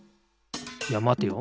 いやまてよ。